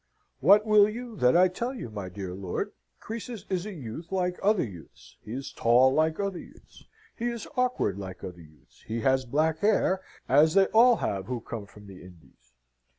"What will you, that I tell you, my dear lord? Croesus is a youth like other youths; he is tall, like other youths; he is awkward, like other youths; he has black hair, as they all have who come from the Indies.